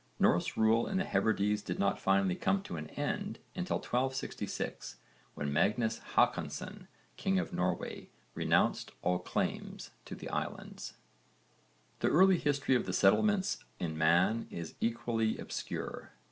Norse rule in the Hebrides did not finally come to an end until 1266 when Magnus Hákonsson, king of Norway, renounced all claims to the islands. The early history of the settlements in Man is equally obscure.